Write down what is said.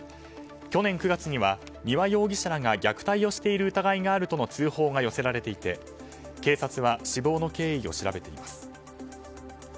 去年９月には丹羽容疑者らが虐待をしている疑いがあるとの通報が寄せられていて警察は死亡の経緯を調べています。